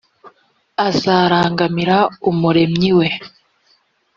azarangamira umuremyi we